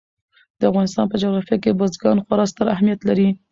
د افغانستان په جغرافیه کې بزګان خورا ستر اهمیت لري.